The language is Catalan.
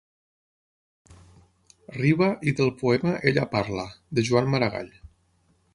Riba i del poema «Ella parla» de Joan Maragall.